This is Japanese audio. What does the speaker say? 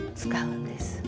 使うんです。